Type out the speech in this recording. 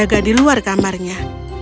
penjaga di luar kamarnya